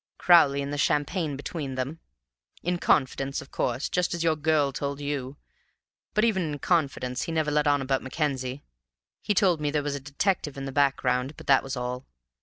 "Crowley and the champagne between them. In confidence, of course, just as your girl told you; but even in confidence he never let on about Mackenzie. He told me there was a detective in the background, but that was all.